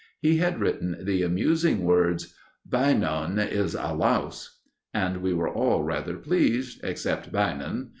He had written the amusing words "BEYNON IS A LOUSE," and we were all rather pleased, except Beynon.